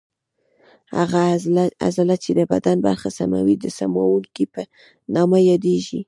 هغه عضله چې د بدن برخه سموي د سموونکې په نامه یادېږي.